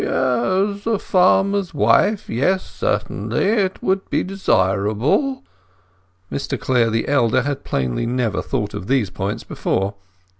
"Yes; a farmer's wife; yes, certainly. It would be desirable." Mr Clare, the elder, had plainly never thought of these points before.